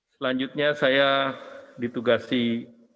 selanjutnya saya ingin mengucapkan selamat datang kembali ke bursa efek indonesia